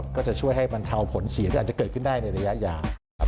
ก็จะช่วยให้บรรเทาผลเสียที่อาจจะเกิดขึ้นได้ในระยะยาว